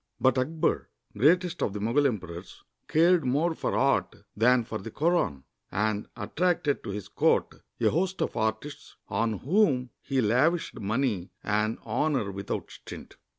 But Akbar, greatest of the Mogul emperors, cared more for art than for the Koran, and attracted to his court a host of artists on whom he lavished money and honor without stint.